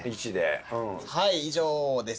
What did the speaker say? はい以上です。